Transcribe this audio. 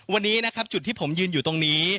วันนี้นะครับจุดที่ผมยืนอยู่ตรงนี้